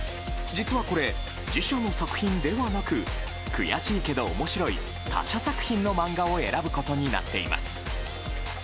実はこれ自社の作品だけではなく悔しいけど面白い他社作品の漫画を選ぶことになっています。